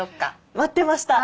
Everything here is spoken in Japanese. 待ってました！